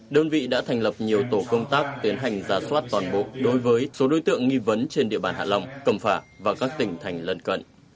đơn vị đã thành lập nhiều tổ công tác tiến hành giả soát toàn bộ đối với số đối tượng nghi vấn trên địa bàn hạ long cầm phả và các tỉnh thành lân cận